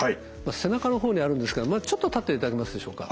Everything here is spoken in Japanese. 背中のほうにあるんですけどちょっと立っていただけますでしょうか。